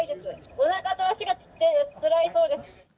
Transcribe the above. おなかと足がつってつらいそうです。